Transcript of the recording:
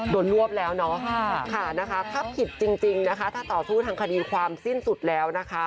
โดนรวบแล้วนะค่ะถ้าผิดจริงถ้าต่อสู้ทางคดีความสิ้นสุดแล้ว